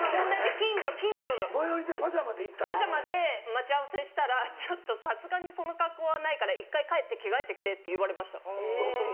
待ち合わせしたら「ちょっとさすがにその格好はないから一回帰って着替えてきて」って言われました夫に。